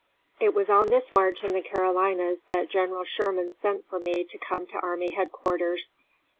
It was on this march in the Carolinas that General Sherman sent for me to come to army headquarters.